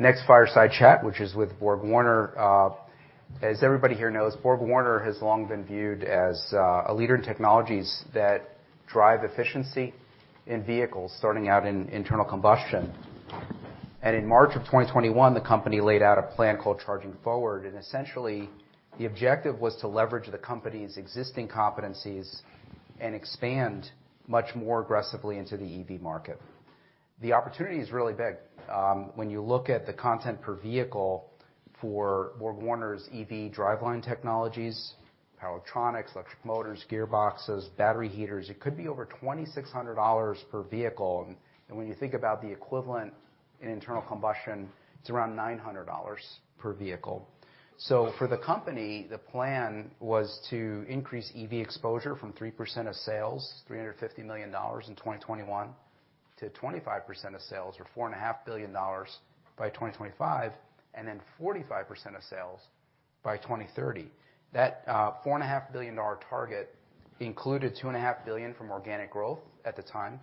Next fireside chat, which is with BorgWarner. As everybody here knows, BorgWarner has long been viewed as a leader in technologies that drive efficiency in vehicles, starting out in internal combustion. In March 2021, the company laid out a plan called Charging Forward, and essentially, the objective was to leverage the company's existing competencies and expand much more aggressively into the EV market. The opportunity is really big. When you look at the content per vehicle for BorgWarner's EV driveline technologies, power electronics, electric motors, gearboxes, battery heaters, it could be over $2,600 per vehicle. When you think about the equivalent in internal combustion, it's around $900 per vehicle. For the company, the plan was to increase EV exposure from 3% of sales, $350 million in 2021 to 25% of sales or four and a half billion dollars by 2025, and then 45% of sales by 2030. That, four and a half billion dollar target included two and a half billion from organic growth at the time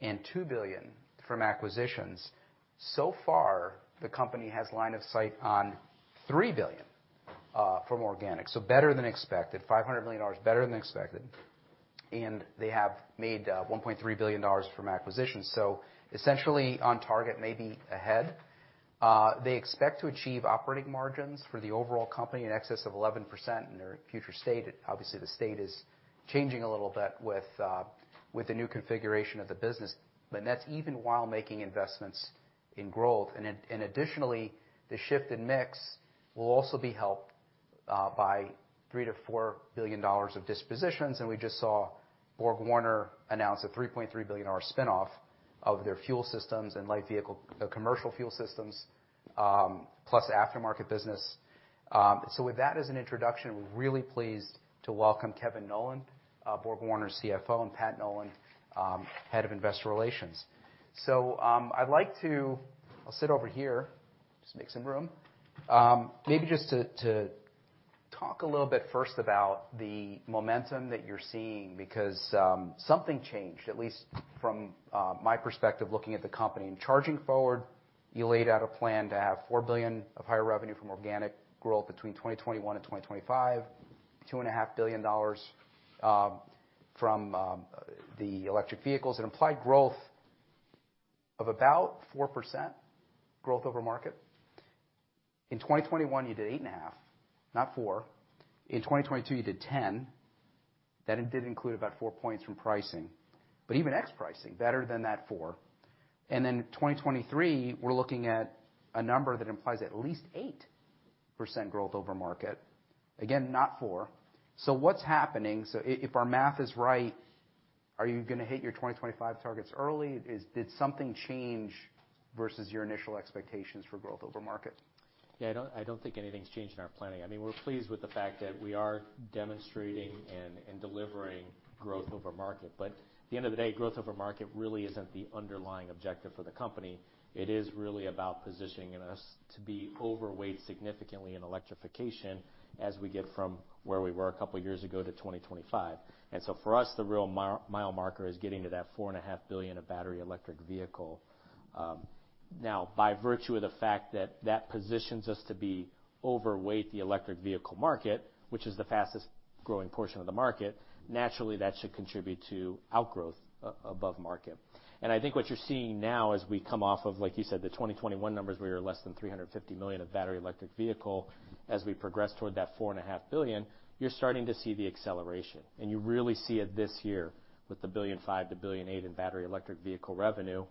and $2 billion from acquisitions. Far, the company has line of sight on $3 billion, from organic, so better than expected, $500 million better than expected. And they have made, $1.3 billion from acquisitions. Essentially on target, maybe ahead. They expect to achieve operating margins for the overall company in excess of 11% in their future state. Obviously, the state is changing a little bit with the new configuration of the business, but that's even while making investments in growth. Additionally, the shift in mix will also be helped by $3 billion-$4 billion of dispositions, and we just saw BorgWarner announce a $3.3 billion spin-off of their Fuel Systems and commercial Fuel Systems, plus Aftermarket business. With that as an introduction, we're really pleased to welcome Kevin Nowlan, BorgWarner's CFO, and Patrick Nolan, Head of Investor Relations. I'll sit over here, just make some room. Maybe just to talk a little bit first about the momentum that you're seeing because something changed, at least from my perspective, looking at the company. In Charging Forward, you laid out a plan to have $4 billion of higher revenue from organic growth between 2021 and 2025, $2.5 billion from the electric vehicles, an implied growth of about 4% growth over market. In 2021, you did 8.5, not four. In 2022, you did 10. That did include about 4 points from pricing. Even ex pricing, better than that four. Then 2023, we're looking at a number that implies at least 8% growth over market. Again, not four. What's happening? If our math is right, are you gonna hit your 2025 targets early? Did something change versus your initial expectations for growth over market? Yeah, I don't think anything's changed in our planning. I mean, we're pleased with the fact that we are demonstrating and delivering growth over market. At the end of the day, growth over market really isn't the underlying objective for the company. It is really about positioning us to be overweight significantly in electrification as we get from where we were a couple of years ago to 2025. For us, the real mile marker is getting to that $4.5 billion of battery electric vehicle. Now, by virtue of the fact that that positions us to be overweight the electric vehicle market, which is the fastest-growing portion of the market, naturally, that should contribute to outgrowth above market. I think what you're seeing now as we come off of, like you said, the 2021 numbers, we were less than $350 million of battery electric vehicle. We progress toward that $4.5 billion, you're starting to see the acceleration, and you really see it this year with the $1.5 billion, the $1.8 billion in battery electric vehicle revenue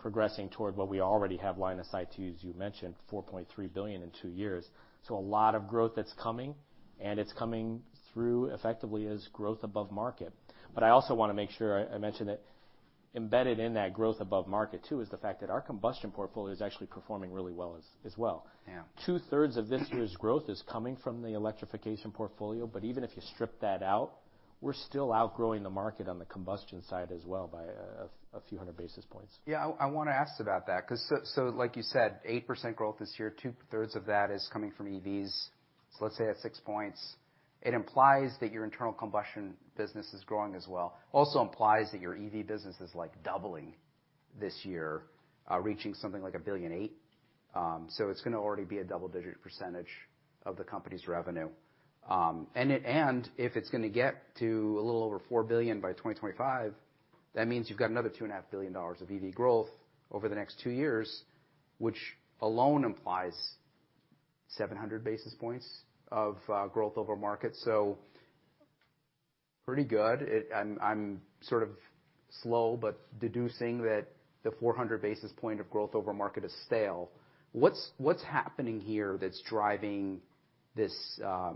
progressing toward what we already have line of sight to, as you mentioned, $4.3 billion in two years. A lot of growth that's coming, and it's coming through effectively as growth above market. I also wanna make sure I mention that embedded in that growth above market too, is the fact that our combustion portfolio is actually performing really well as well. Yeah. Two-thirds of this year's growth is coming from the electrification portfolio, but even if you strip that out, we're still outgrowing the market on the combustion side as well by a few hundred basis points. I want to ask about that because like you said, 8% growth this year, two-thirds of that is coming from EVs. Let's say at 6 percentage points, it implies that your internal combustion business is growing as well. Also implies that your EV business is doubling this year, reaching something like $1.8 billion. It's going to already be a double-digit percentage of the company's revenue. If it's going to get to a little over $4 billion by 2025, that means you've got another $2.5 billion of EV growth over the next two years, which alone implies 700 basis points of growth over market. Pretty good. I'm sort of slow, but deducing that the 400 basis points of growth over market is stale. What's happening here that's driving this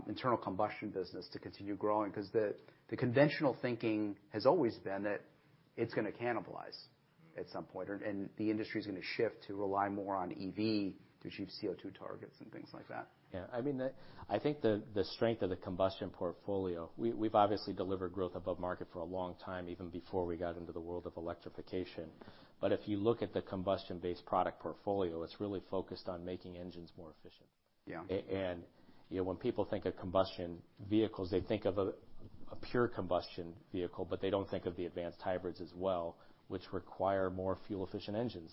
internal combustion business to continue growing? Cause the conventional thinking has always been that it's gonna cannibalize at some point, and the industry is gonna shift to rely more on EV to achieve CO2 targets and things like that. Yeah. I mean, I think the strength of the combustion portfolio, we've obviously delivered growth above market for a long time, even before we got into the world of electrification. If you look at the combustion-based product portfolio, it's really focused on making engines more efficient. Yeah. You know, when people think of combustion vehicles, they think of a pure combustion vehicle, but they don't think of the advanced hybrids as well, which require more fuel-efficient engines.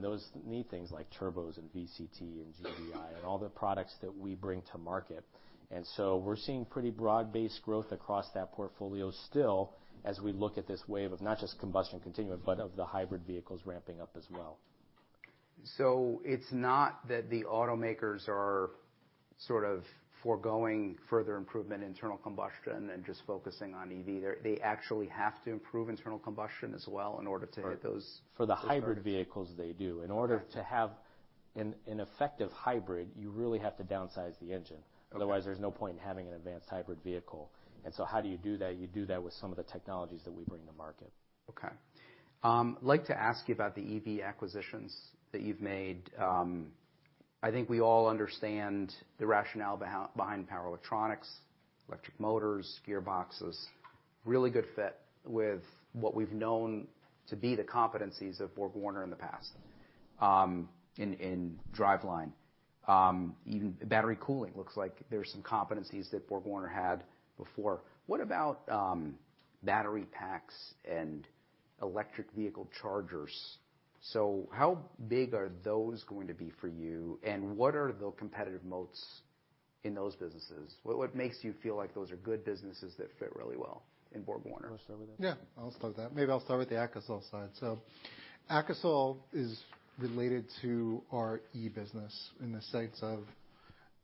Those need things like turbos and VCT and GDI and all the products that we bring to market. We're seeing pretty broad-based growth across that portfolio still as we look at this wave of not just combustion continuing, but of the hybrid vehicles ramping up as well. It's not that the automakers are sort of foregoing further improvement internal combustion and just focusing on EV. They actually have to improve internal combustion as well in order to hit those targets. For the hybrid vehicles, they do. In order to have an effective hybrid, you really have to downsize the engine. Okay. Otherwise, there's no point in having an advanced hybrid vehicle. How do you do that? You do that with some of the technologies that we bring to market. Okay. I'd like to ask you about the EV acquisitions that you've made. I think we all understand the rationale behind power electronics, electric motors, gearboxes. Really good fit with what we've known to be the competencies of BorgWarner in the past, in driveline. Even battery cooling looks like there's some competencies that BorgWarner had before. What about battery packs and electric vehicle chargers? How big are those going to be for you, and what are the competitive moats in those businesses? What makes you feel like those are good businesses that fit really well in BorgWarner? You wanna start with that? Yeah, I'll start that. Maybe I'll start with the AKASOL side. AKASOL is related to our e-business in the sense of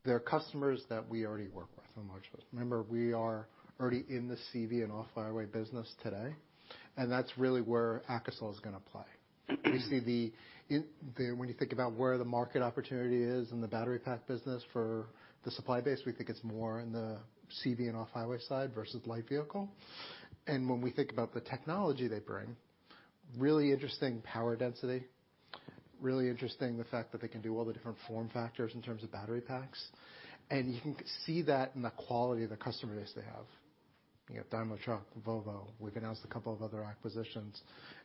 they're customers that we already work with in large part. Remember, we are already in the CV and off-highway business today, and that's really where AKASOL is gonna play. We see when you think about where the market opportunity is in the battery pack business for the supply base, we think it's more in the CV and off-highway side versus light vehicle. When we think about the technology they bring, really interesting power density, really interesting the fact that they can do all the different form factors in terms of battery packs. You can see that in the quality of the customer base they have. You have Daimler Truck, Volvo. We've announced a couple of other acquisitions.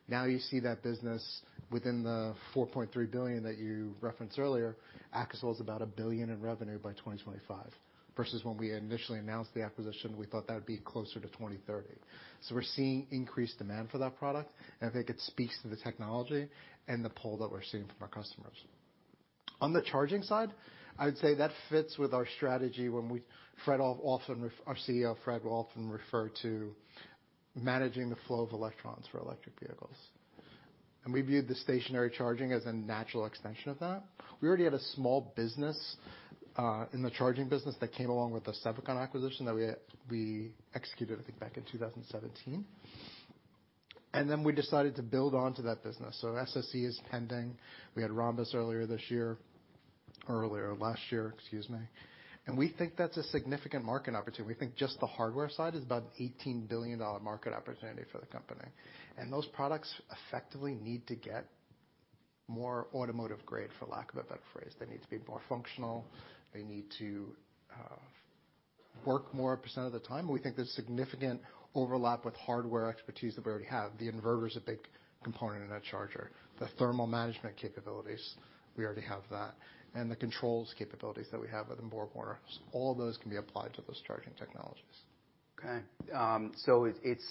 You see that business within the $4.3 billion that you referenced earlier, AKASOL is about $1 billion in revenue by 2025 versus when we initially announced the acquisition, we thought that would be closer to 2030. We're seeing increased demand for that product, and I think it speaks to the technology and the pull that we're seeing from our customers. On the charging side, I would say that fits with our strategy when our CEO Fred will often refer to managing the flow of electrons for electric vehicles. We viewed the stationary charging as a natural extension of that. We already had a small business in the charging business that came along with the Sevcon acquisition that we executed, I think, back in 2017. We decided to build onto that business. SSE is pending. We had Rhombus earlier this year, earlier last year, excuse me. We think that's a significant market opportunity. We think just the hardware side is about a $18 billion market opportunity for the company. Those products effectively need to get more automotive grade, for lack of a better phrase. They need to be more functional. They need to work more percent of the time. We think there's significant overlap with hardware expertise that we already have. The inverter is a big component in that charger. The thermal management capabilities, we already have that. The controls capabilities that we have within BorgWarner. All those can be applied to those charging technologies. It's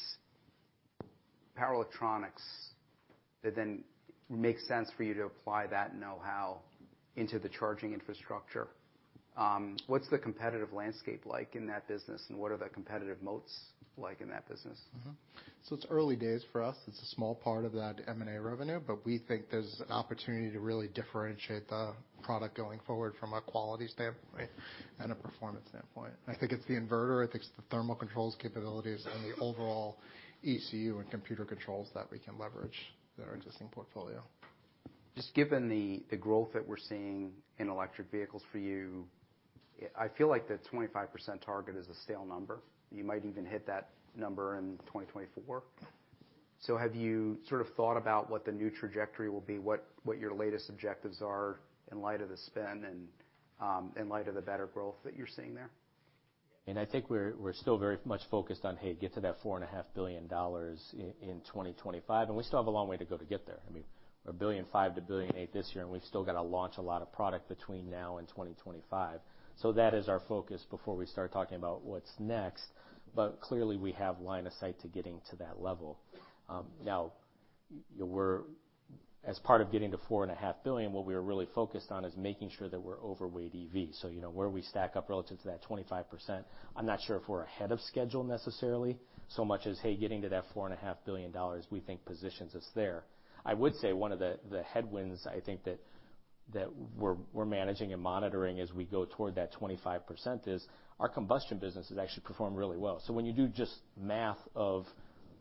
power electronics that then makes sense for you to apply that know-how into the charging infrastructure. What's the competitive landscape like in that business, and what are the competitive moats like in that business? It's early days for us. It's a small part of that M&A revenue, but we think there's an opportunity to really differentiate the product going forward from a quality standpoint and a performance standpoint. I think it's the inverter, I think it's the thermal controls capabilities and the overall ECU and computer controls that we can leverage their existing portfolio. Just given the growth that we're seeing in electric vehicles for you, I feel like the 25% target is a stale number. You might even hit that number in 2024. Have you sort of thought about what the new trajectory will be, what your latest objectives are in light of the spend and in light of the better growth that you're seeing there? I think we're still very much focused on, hey, get to that $4.5 billion in 2025, and we still have a long way to go to get there. I mean, $1.5 billion-$1.8 billion this year, and we've still got to launch a lot of product between now and 2025. That is our focus before we start talking about what's next. Clearly, we have line of sight to getting to that level. Now we're as part of getting to $4.5 billion, what we are really focused on is making sure that we're overweight EV. You know, where we stack up relative to that 25%, I'm not sure if we're ahead of schedule necessarily so much as, hey, getting to that $4.5 billion we think positions us there. I would say one of the headwinds I think that we're managing and monitoring as we go toward that 25% is our combustion business has actually performed really well. When you do just math of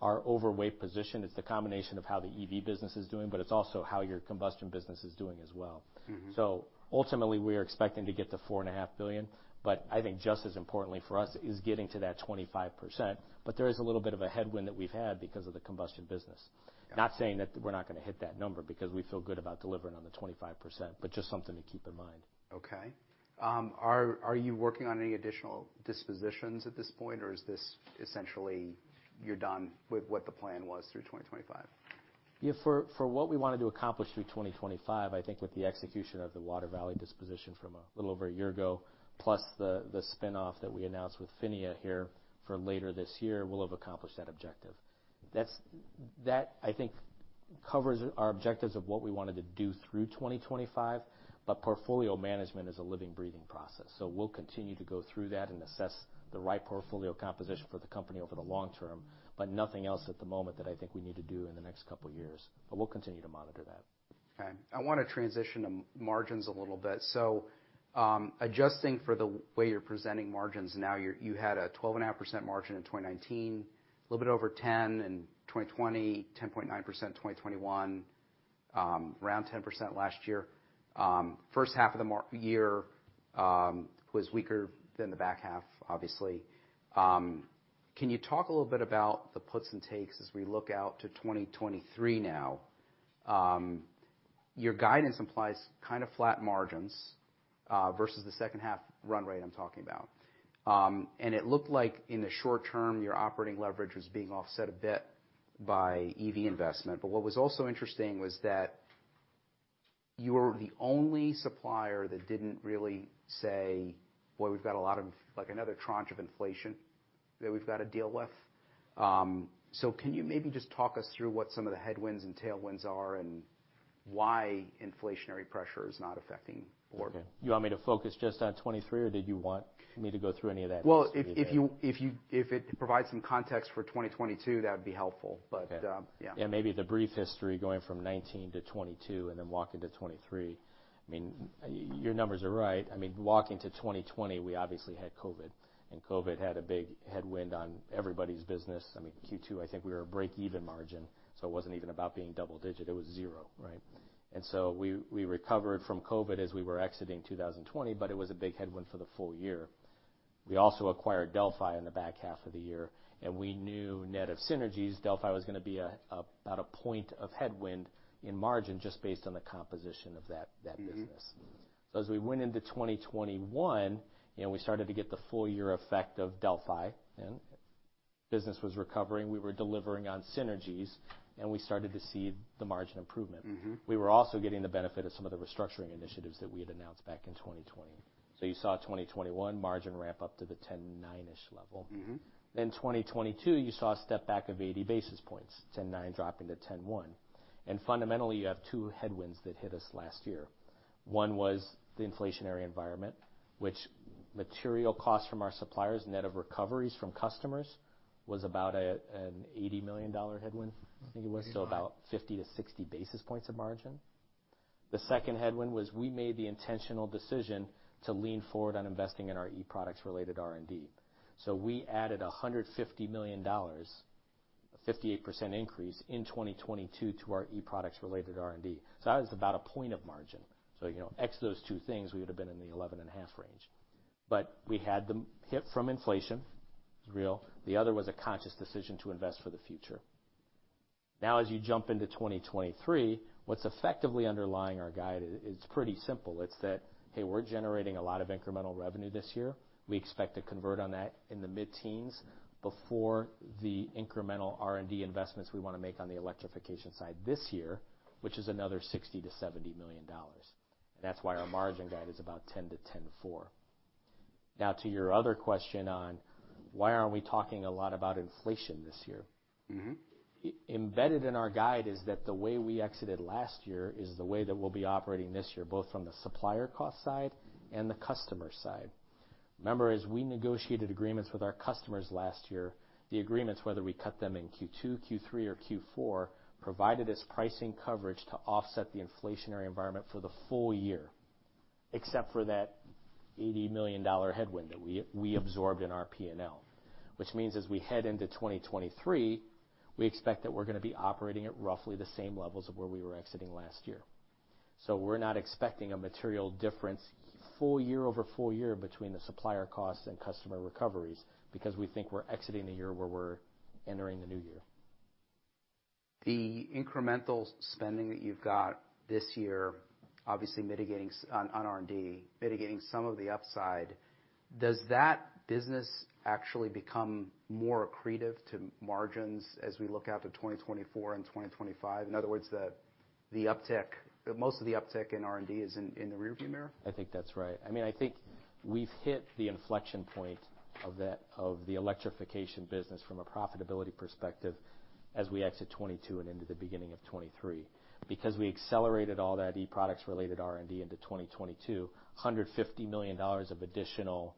our overweight position, it's the combination of how the EV business is doing, but it's also how your combustion business is doing as well. Mm-hmm. Ultimately, we are expecting to get to $4.5 billion, but I think just as importantly for us is getting to that 25%. There is a little bit of a headwind that we've had because of the combustion business. Yeah. Not saying that we're not gonna hit that number because we feel good about delivering on the 25%, but just something to keep in mind. Okay. Are you working on any additional dispositions at this point, or is this essentially you're done with what the plan was through 2025? Yeah, for what we wanted to accomplish through 2025, I think with the execution of the Water Valley disposition from a little over a year ago, plus the spin-off that we announced with PHINIA here for later this year, we'll have accomplished that objective. That, I think, covers our objectives of what we wanted to do through 2025. Portfolio management is a living, breathing process, so we'll continue to go through that and assess the right portfolio composition for the company over the long term, but nothing else at the moment that I think we need to do in the next couple years. We'll continue to monitor that. Okay. I wanna transition to margins a little bit. Adjusting for the way you're presenting margins now, you had a 12.5% margin in 2019. A little bit over 10% in 2020, 10.9% in 2021, around 10% last year. First half of the year was weaker than the back half, obviously. Can you talk a little bit about the puts and takes as we look out to 2023 now? Your guidance implies kind of flat margins versus the second half run rate I'm talking about. It looked like in the short term, your operating leverage was being offset a bit by EV investment. What was also interesting was that you were the only supplier that didn't really say, "Well, we've got a lot of like another tranche of inflation that we've gotta deal with." Can you maybe just talk us through what some of the headwinds and tailwinds are and why inflationary pressure is not affecting BorgWarner? Okay. You want me to focus just on 2023, or did you want me to go through any of that history there? Well, if it provides some context for 2022, that would be helpful. Okay. Yeah. Maybe the brief history going from 2019 to 2022 and then walk into 2023. I mean, your numbers are right. I mean, walk into 2020, we obviously had COVID, and COVID had a big headwind on everybody's business. I mean, Q2, I think we were a break-even margin, so it wasn't even about being double digit. It was zero, right? We recovered from COVID as we were exiting 2020, but it was a big headwind for the full year. We also acquired Delphi in the back half of the year, and we knew net of synergies, Delphi was gonna be a, about a point of headwind in margin just based on the composition of that business. Mm-hmm. As we went into 2021, you know, we started to get the full year effect of Delphi, and business was recovering. We were delivering on synergies, and we started to see the margin improvement. Mm-hmm. We were also getting the benefit of some of the restructuring initiatives that we had announced back in 2020. You saw 2021 margin ramp up to the 10.9% level. Mm-hmm. Twenty twenty-two, you saw a step back of 80 basis points, 10.9 drop into 10.1. Fundamentally, you have two headwinds that hit us last year. One was the inflationary environment, which material costs from our suppliers net of recoveries from customers was about an $80 million headwind, I think it was. About 50-60 basis points of margin. The second headwind was we made the intentional decision to lean forward on investing in our e-products related R&D. We added $150 million, 58% increase in 2022 to our e-products related R&D. That was about a point of margin. You know, X those two things, we would have been in the 11.5 range. We had the hit from inflation. It's real. The other was a conscious decision to invest for the future. As you jump into 2023, what's effectively underlying our guide is pretty simple. It's that, hey, we're generating a lot of incremental revenue this year. We expect to convert on that in the mid-teens before the incremental R&D investments we wanna make on the electrification side this year, which is another $60 million-$70 million. That's why our margin guide is about 10%-10.4%. To your other question on why aren't we talking a lot about inflation this year. Mm-hmm. Embedded in our guide is that the way we exited last year is the way that we'll be operating this year, both from the supplier cost side and the customer side. Remember, as we negotiated agreements with our customers last year, the agreements, whether we cut them in Q2, Q3, or Q4, provided as pricing coverage to offset the inflationary environment for the full year, except for that $80 million headwind that we absorbed in our P&L. As we head into 2023, we expect that we're gonna be operating at roughly the same levels of where we were exiting last year. We're not expecting a material difference full year over full year between the supplier costs and customer recoveries because we think we're exiting the year where we're entering the new year. The incremental spending that you've got this year, obviously mitigating on R&D, mitigating some of the upside, does that business actually become more accretive to margins as we look out to 2024 and 2025? In other words, the uptick, most of the uptick in R&D is in the rearview mirror? I think that's right. I mean, I think we've hit the inflection point of the electrification business from a profitability perspective as we exit 2022 and into the beginning of 2023. We accelerated all that e-products related R&D into 2022, $150 million of additional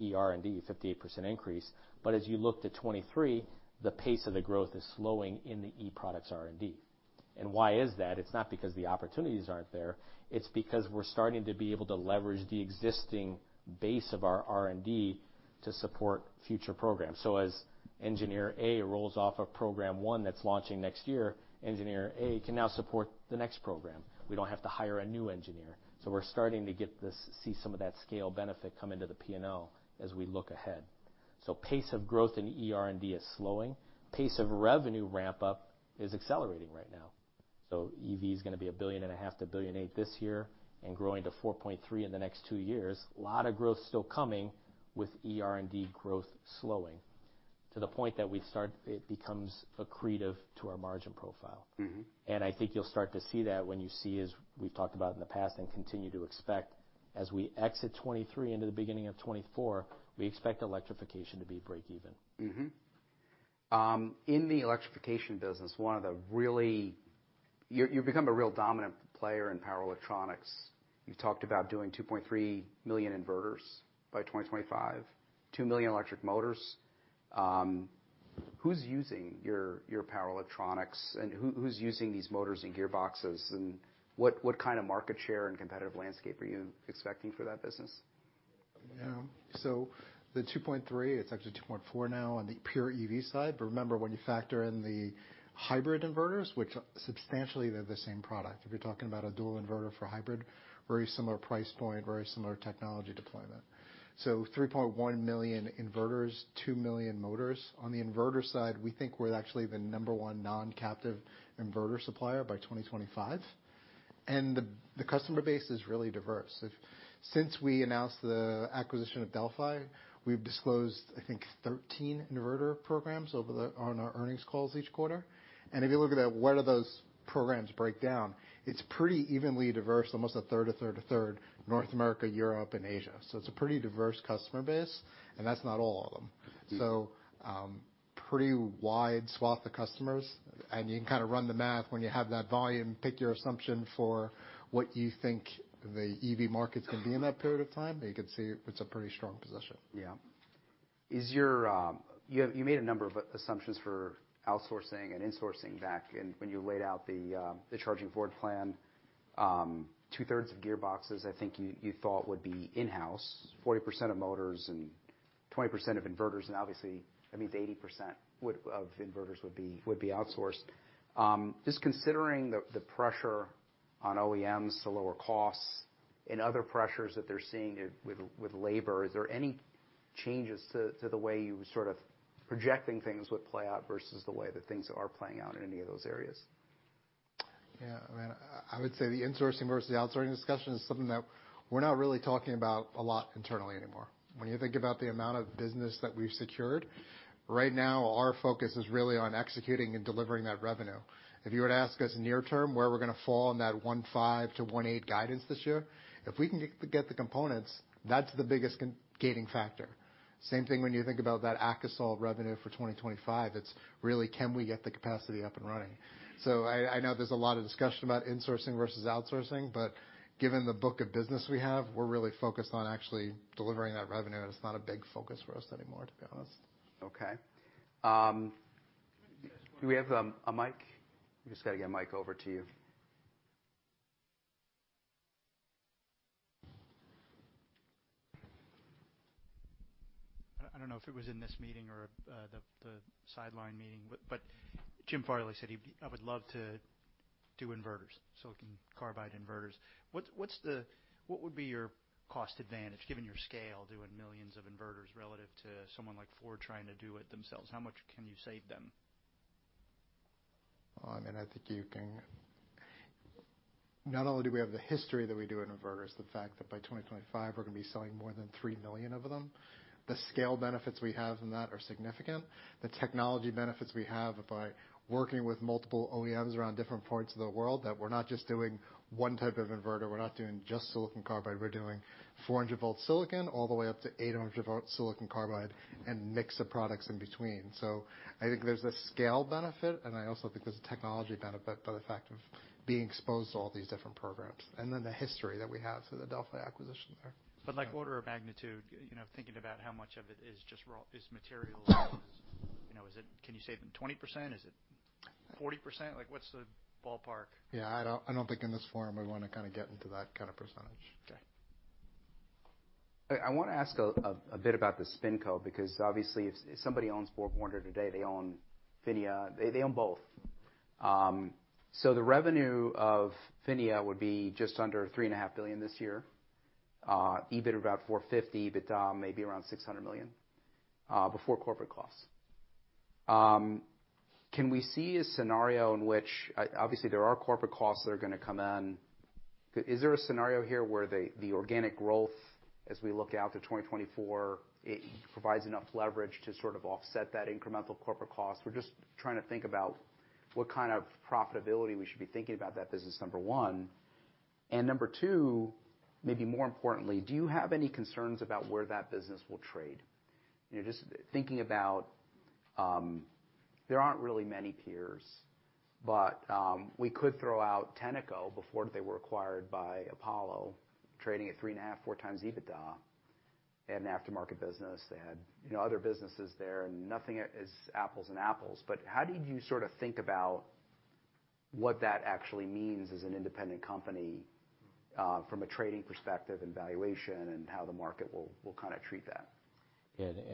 eR&D, a 58% increase. As you look to 2023, the pace of the growth is slowing in the e-products R&D. Why is that? It's not because the opportunities aren't there. It's because we're starting to be able to leverage the existing base of our R&D to support future programs. As engineer A rolls off of program one that's launching next year, engineer A can now support the next program. We don't have to hire a new engineer. We're starting to see some of that scale benefit come into the P&L as we look ahead. Pace of growth in eR&D is slowing. Pace of revenue ramp up is accelerating right now. EV is gonna be a billion and a half to $1.8 billion this year and growing to $4.3 billion in the next two years. Lot of growth still coming with eR&D growth slowing to the point that it becomes accretive to our margin profile. Mm-hmm. I think you'll start to see that when you see, as we've talked about in the past and continue to expect, as we exit 2023 into the beginning of 2024, we expect electrification to be breakeven. In the electrification business, one of the really... You've become a real dominant player in power electronics. You've talked about doing 2.3 million inverters by 2025, 2 million electric motors. Who's using your power electronics and who's using these motors and gearboxes, and what kind of market share and competitive landscape are you expecting for that business? Yeah. The 2.3, it's actually 2.4 now on the pure EV side. Remember, when you factor in the hybrid inverters, which are substantially the same product. If you're talking about a dual inverter for hybrid, very similar price point, very similar technology deployment. 3.1 million inverters, 2 million motors. On the inverter side, we think we're actually the number one non-captive inverter supplier by 2025, and the customer base is really diverse. Since we announced the acquisition of Delphi, we've disclosed, I think, 13 inverter programs on our earnings calls each quarter. If you look at where do those programs break down, it's pretty evenly diverse, almost a third, a third, a third, North America, Europe, and Asia. It's a pretty diverse customer base, and that's not all of them. pretty wide swath of customers, and you can kinda run the math when you have that volume, pick your assumption for what you think the EV market's gonna be in that period of time, and you can see it's a pretty strong position. You made a number of assumptions for outsourcing and insourcing back in when you laid out the Charging Forward plan. Two-thirds of gearboxes, I think you thought would be in-house, 40% of motors and 20% of inverters, and obviously that means 80% of inverters would be outsourced. Just considering the pressure on OEMs to lower costs and other pressures that they're seeing with labor, is there any changes to the way you were sort of projecting things would play out versus the way that things are playing out in any of those areas? Yeah. I mean, I would say the insourcing versus outsourcing discussion is something that we're not really talking about a lot internally anymore. When you think about the amount of business that we've secured, right now our focus is really on executing and delivering that revenue. If you were to ask us near term where we're gonna fall on that $1.5 billion-$1.8 billion guidance this year, if we can get the components, that's the biggest gating factor. Same thing when you think about that AKASOL revenue for 2025, it's really can we get the capacity up and running? I know there's a lot of discussion about insourcing versus outsourcing, but given the book of business we have, we're really focused on actually delivering that revenue, and it's not a big focus for us anymore, to be honest. Okay. Do we have a mic? We just gotta get a mic over to you. I don't know if it was in this meeting or the sideline meeting, but Jim Farley said, "I would love to do inverters, silicon carbide inverters." What would be your cost advantage given your scale doing millions of inverters relative to someone like Ford trying to do it themselves? How much can you save them? Well, I mean, I think you can. Not only do we have the history that we do in inverter, the fact that by 2025 we're gonna be selling more than 3 million of them, the scale benefits we have in that are significant. The technology benefits we have by working with multiple OEMs around different parts of the world, that we're not just doing one type of inverter, we're not doing just silicon carbide, we're doing 400 volt silicon all the way up to 800 volt silicon carbide and mix of products in between. I think there's a scale benefit, and I also think there's a technology benefit by the fact of being exposed to all these different programs. The history that we have through the Delphi acquisition there. Like order of magnitude, you know, thinking about how much of it is just raw material, you know. Can you save them 20%? Is it 40%? Like, what's the ballpark? Yeah, I don't, I don't think in this forum we wanna kinda get into that kind of percentage. Okay. I wanna ask a bit about the SpinCo, because obviously if somebody owns BorgWarner today, they own PHINIA, they own both. The revenue of PHINIA would be just under three and a half billion this year, EBIT about $450, EBITDA maybe around $600 million before corporate costs. Can we see a scenario in which obviously there are corporate costs that are gonna come in? Is there a scenario here where the organic growth as we look out to 2024, it provides enough leverage to sort of offset that incremental corporate cost? We're just trying to think about what kind of profitability we should be thinking about that business, number one. Number two, maybe more importantly, do you have any concerns about where that business will trade? You know, just thinking about, there aren't really many peers, but, we could throw out Tenneco before they were acquired by Apollo, trading at 3.5-4x EBITDA. They had an aftermarket business, they had, you know, other businesses there, and nothing is apples and apples. How do you sort of think about what that actually means as an independent company, from a trading perspective and valuation and how the market will kinda treat that?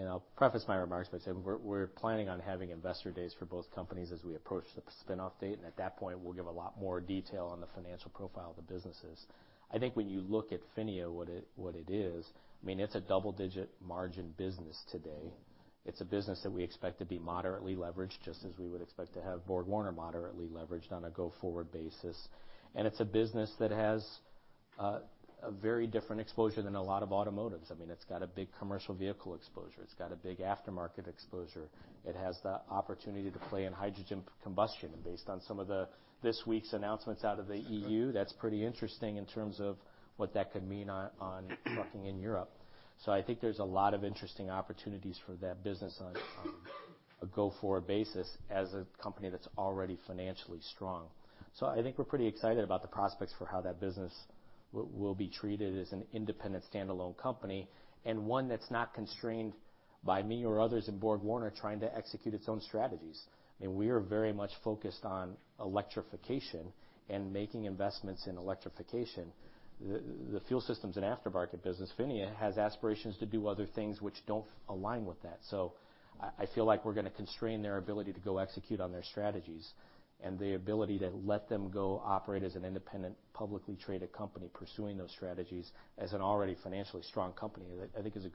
I'll preface my remarks by saying we're planning on having investor days for both companies as we approach the spin-off date. At that point, we'll give a lot more detail on the financial profile of the businesses. I think when you look at PHINIA, what it is, I mean, it's a double-digit margin business today. It's a business that we expect to be moderately leveraged, just as we would expect to have BorgWarner moderately leveraged on a go-forward basis. It's a business that has a very different exposure than a lot of automotives. I mean, it's got a big commercial vehicle exposure. It's got a big aftermarket exposure. It has the opportunity to play in hydrogen combustion based on some of the, this week's announcements out of the EU. That's pretty interesting in terms of what that could mean on trucking in Europe. I think there's a lot of interesting opportunities for that business on a go-forward basis as a company that's already financially strong. I think we're pretty excited about the prospects for how that business will be treated as an independent standalone company, and one that's not constrained by me or others in BorgWarner trying to execute its own strategies. We are very much focused on electrification and making investments in electrification. The fuel systems and aftermarket business, PHINIA, has aspirations to do other things which don't align with that. I feel like we're gonna constrain their ability to go execute on their strategies, and the ability to let them go operate as an independent, publicly traded company pursuing those strategies as an already financially strong company, I think is a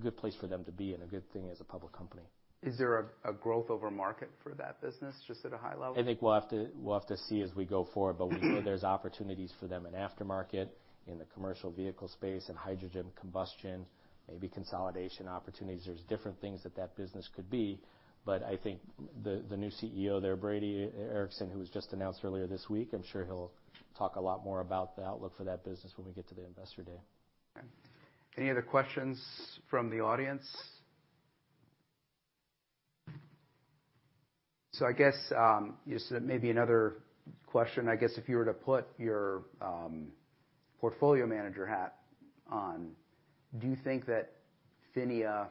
good place for them to be and a good thing as a public company. Is there a growth over market for that business, just at a high level? I think we'll have to, we'll have to see as we go forward. But we know there's opportunities for them in aftermarket, in the commercial vehicle space, in hydrogen combustion, maybe consolidation opportunities. There's different things that that business could be, but I think the new CEO there, Brady Ericson, who was just announced earlier this week, I'm sure he'll talk a lot more about the outlook for that business when we get to the investor day. Okay. Any other questions from the audience? I guess, just maybe another question. I guess if you were to put your portfolio manager hat on, do you think that PHINIA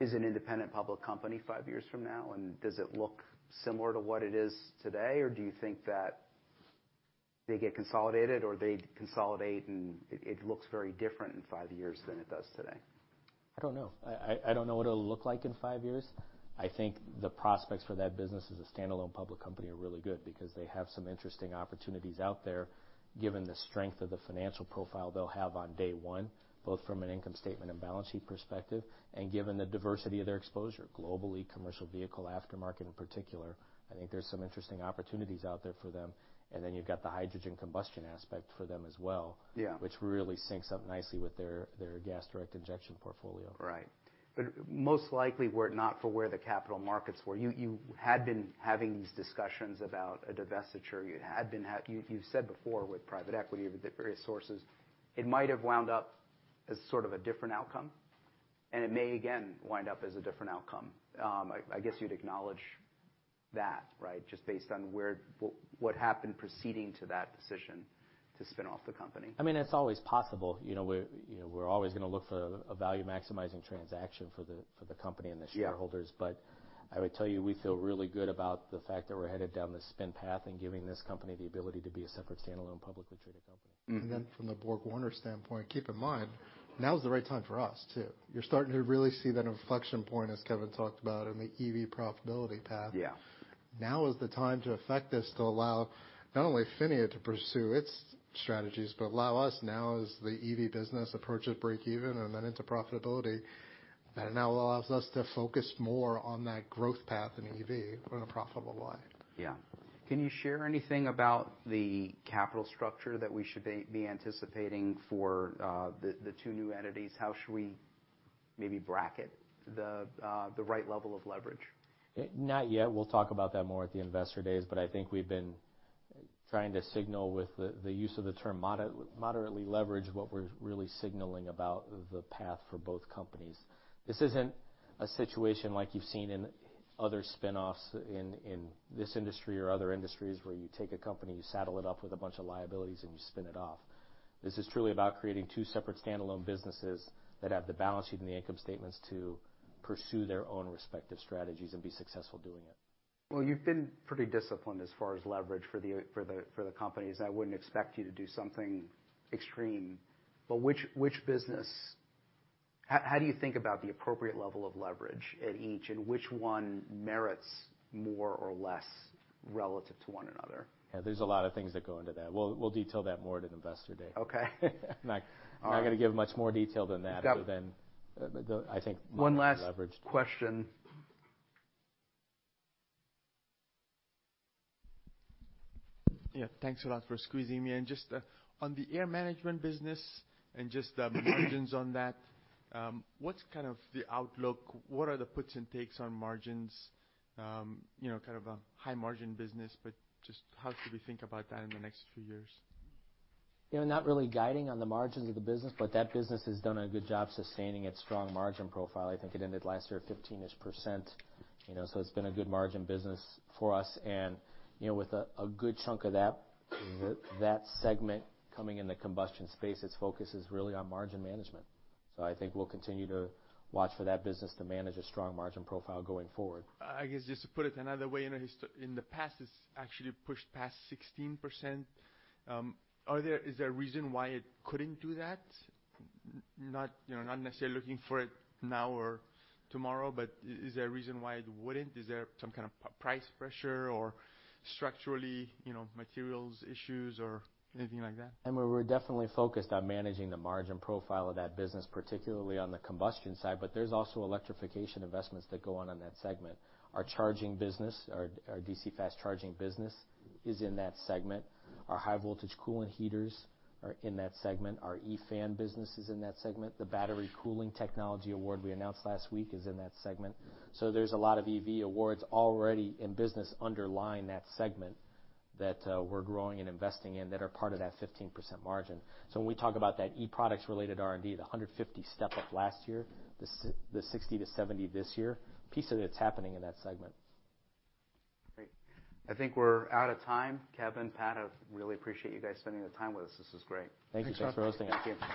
is an independent public company five years from now? Does it look similar to what it is today? Do you think that they get consolidated or they consolidate and it looks very different in five years than it does today? I don't know. I don't know what it'll look like in five years. I think the prospects for that business as a standalone public company are really good because they have some interesting opportunities out there given the strength of the financial profile they'll have on day one, both from an income statement and balance sheet perspective, and given the diversity of their exposure. Globally, commercial vehicle aftermarket in particular, I think there's some interesting opportunities out there for them, and then you've got the hydrogen combustion aspect for them as well. Yeah. which really syncs up nicely with their gasoline direct injection portfolio. Most likely, were it not for where the capital markets were, you had been having these discussions about a divestiture. You said before with private equity with the various sources, it might have wound up as sort of a different outcome, and it may again wind up as a different outcome. I guess you'd acknowledge that, right? Just based on where what happened preceding to that decision to spin-off the company. I mean, it's always possible. You know, we're, you know, we're always gonna look for a value-maximizing transaction for the company and the shareholders. Yeah. I would tell you, we feel really good about the fact that we're headed down this Spin path and giving this company the ability to be a separate standalone publicly traded company. Mm-hmm. From the BorgWarner standpoint, keep in mind, now is the right time for us, too. You're starting to really see that inflection point, as Kevin talked about, in the EV profitability path. Yeah. Now is the time to effect this to allow not only PHINIA to pursue its strategies, but allow us now as the EV business approaches break even and then into profitability, that now allows us to focus more on that growth path in EV in a profitable way. Can you share anything about the capital structure that we should be anticipating for the two new entities? How should we maybe bracket the right level of leverage? Not yet. We'll talk about that more at the investor days, but I think we've been trying to signal with the use of the term moderately leveraged what we're really signaling about the path for both companies. This isn't a situation like you've seen in other spin-offs in this industry or other industries where you take a company, you saddle it up with a bunch of liabilities, and you spin it off. This is truly about creating two separate standalone businesses that have the balance sheet and the income statements to pursue their own respective strategies and be successful doing it. Well, you've been pretty disciplined as far as leverage for the companies. I wouldn't expect you to do something extreme. Which business? How do you think about the appropriate level of leverage at each, and which one merits more or less relative to one another? Yeah. There's a lot of things that go into that. We'll detail that more at investor day. Okay. All right. I'm not gonna give much more detail than that other than the, I think moderately leveraged. One last question. Thanks a lot for squeezing me in. Just, on the air management business and just the margins on that, what's kind of the outlook? What are the puts and takes on margins? You know, kind of a high margin business, but just how should we think about that in the next few years? You know, not really guiding on the margins of the business, but that business has done a good job sustaining its strong margin profile. I think it ended last year 15%-ish, you know. It's been a good margin business for us and, you know, with a good chunk of that segment coming in the combustion space, its focus is really on margin management. I think we'll continue to watch for that business to manage a strong margin profile going forward. I guess just to put it another way, you know, in the past, it's actually pushed past 16%. Is there a reason why it couldn't do that? Not, you know, not necessarily looking for it now or tomorrow, but is there a reason why it wouldn't? Is there some kind of price pressure or structurally, you know, materials issues or anything like that? I mean, we're definitely focused on managing the margin profile of that business, particularly on the combustion side, but there's also electrification investments that go on on that segment. Our charging business, our DC fast charging business is in that segment. Our high voltage coolant heaters are in that segment. Our eFan business is in that segment. The battery cooling technology award we announced last week is in that segment. There's a lot of EV awards already in business underlying that segment that we're growing and investing in that are part of that 15% margin. When we talk about that e-products related R&D, the 150 step-up last year, the 60-70 this year, piece of it's happening in that segment. Great. I think we're out of time. Kevin, Pat, I really appreciate you guys spending the time with us. This was great. Thank you so much for hosting us. Thanks, Kevin.